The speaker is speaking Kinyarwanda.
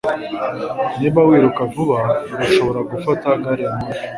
Niba wiruka vuba, urashobora gufata gari ya moshi.